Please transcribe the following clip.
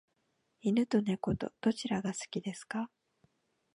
犬と猫とどちらが好きですか？